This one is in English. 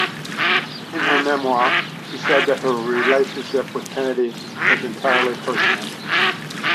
In her memoir, she said that her relationship with Kennedy was entirely personal.